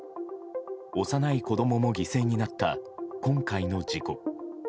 幼い子供も犠牲になった今回の事故。